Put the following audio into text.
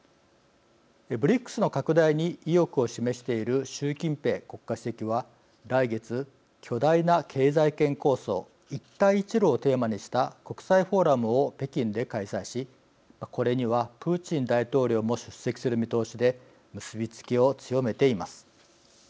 ＢＲＩＣＳの拡大に意欲を示している習近平国家主席は、来月巨大な経済圏構想一帯一路をテーマにした国際フォーラムを北京で開催しこれにはプーチン大統領も出席する見通しで結び付きを強めています。